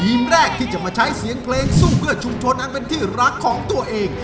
แรกที่จะมาใช้เสียงเพลงสู้เพื่อชุมชนอันเป็นที่รักของตัวเอง